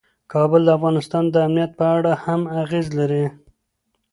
کابل د افغانستان د امنیت په اړه هم اغېز لري.